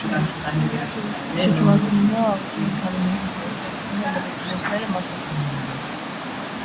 Շճամիզը աղիքի մի քանի բաժինները ծածկում է լրիվ, մյուսները՝ մասամբ։